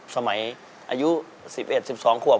สมัยอายุ๑๑๑๒ขวบ